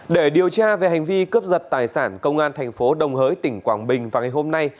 để điều tra về hành vi cướp giật tài sản công an thành phố đồng hới tỉnh quảng bình vào ngày hôm nay